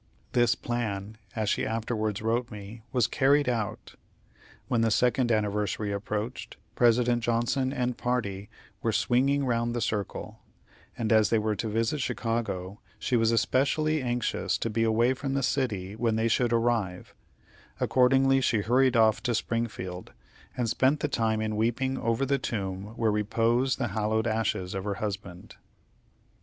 This plan, as she afterwards wrote me, was carried out. When the second anniversary approached, President Johnson and party were "swinging round the circle," and as they were to visit Chicago, she was especially anxious to be away from the city when they should arrive; accordingly she hurried off to Springfield, and spent the time in weeping over the tomb where repose the hallowed ashes of her husband.